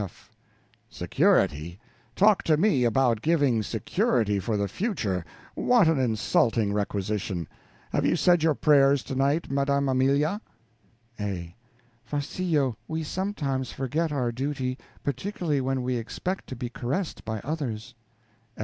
F. Security! talk to me about giving security for the future what an insulting requisition! Have you said your prayers tonight, Madam Amelia? A. Farcillo, we sometimes forget our duty, particularly when we expect to be caressed by others.